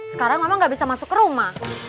sekarang mama gak bisa masuk rumah